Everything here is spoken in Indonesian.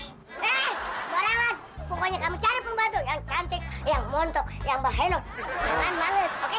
eh borangan pokoknya kamu cari pembantu yang cantik yang montok yang bahenol